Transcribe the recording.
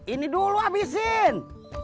ini dulu abisin